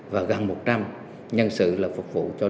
và gần một trăm linh nhân sự là phục vụ cho đại hội